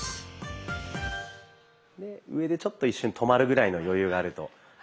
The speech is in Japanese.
上でちょっと一瞬止まるぐらいの余裕があるとはい。